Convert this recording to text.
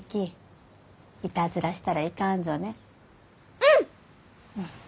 うん！